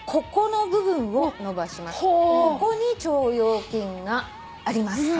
ここに腸腰筋があります。